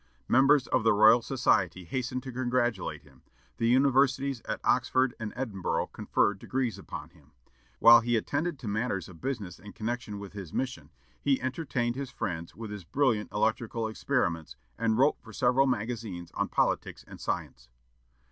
Members of the Royal Society hastened to congratulate him; the universities at Oxford and Edinburgh conferred degrees upon him. While he attended to matters of business in connection with his mission, he entertained his friends with his brilliant electrical experiments, and wrote for several magazines on politics and science.